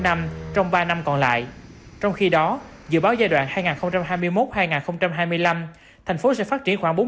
năm trong ba năm còn lại trong khi đó dự báo giai đoạn hai nghìn hai mươi một hai nghìn hai mươi năm thành phố sẽ phát triển khoảng